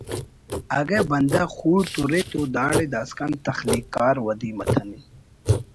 اگہ بندغ خوڑت ہُرے تو داڑے داسکان تخلیق کار ودی متنے